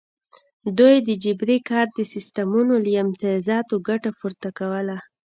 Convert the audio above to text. دوی د جبري کار د سیستمونو له امتیازاتو ګټه پورته کوله.